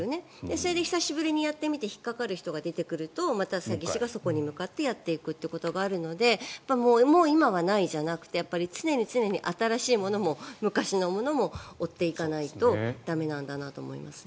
それで久しぶりにやってみて引っかかる人が出てくるとまた詐欺師がそこに向かってやっていくということがあるのでもう今はないじゃないじゃなくて常に常に、新しいものも昔のものも追っていかないと駄目なんだなと思いますね。